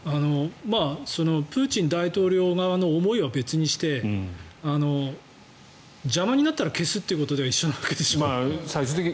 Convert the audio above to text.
プーチン大統領側の思いは別にして邪魔になったら消すということでは一緒なわけでしょ。